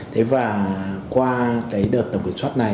thế và qua cái đợt tổng kiểm soát này